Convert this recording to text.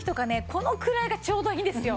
このくらいがちょうどいいんですよ。